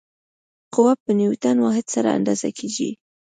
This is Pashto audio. قوه په نیوټن واحد سره اندازه کېږي.